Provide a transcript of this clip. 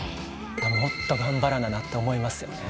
もっと頑張らななって思いますよね。